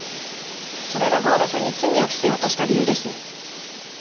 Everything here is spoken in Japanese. それが剛田さんに罪を着せようとした理由ですね？